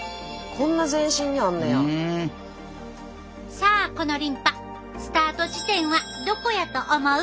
さあこのリンパスタート地点はどこやと思う？